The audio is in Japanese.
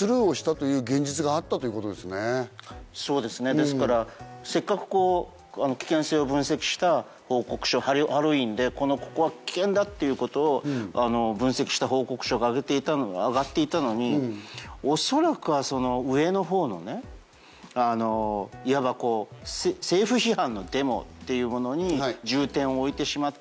ですからせっかく危険性を分析した報告書ハロウィーンでここは危険だっていうことを分析した報告書が上がっていたのに恐らくは上のほうのいわば政府批判のデモっていうものに重点を置いてしまった。